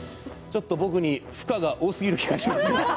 僕に負荷が多すぎる気がします。